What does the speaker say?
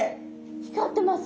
光ってます。